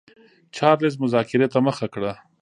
چارلېز مذاکرې ته مخه کړه.